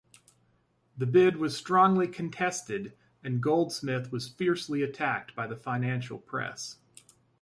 The bid was strongly contested and Goldsmith was fiercely attacked by the financial press.